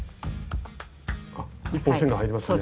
あっ１本線が入りましたね。